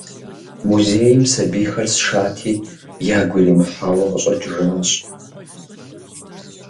Музейм сабийхэр сшати, ягу иримыхьауэ къыщӏэкӏыжащ.